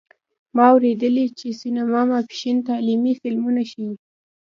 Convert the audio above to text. ما اوریدلي چې سینما ماسپښین تعلیمي فلمونه ښیې